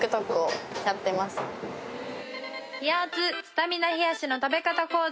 「冷熱スタミナ冷やしの食べ方講座」